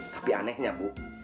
tapi anehnya bu